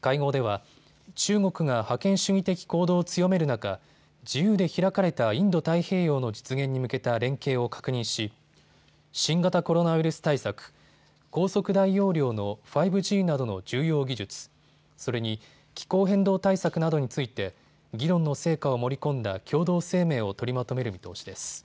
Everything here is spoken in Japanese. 会合では中国が覇権主義的行動を強める中、自由で開かれたインド太平洋の実現に向けた連携を確認し新型コロナウイルス対策、高速大容量の５Ｇなどの重要技術、それに気候変動対策などについて議論の成果を盛り込んだ共同声明を取りまとめる見通しです。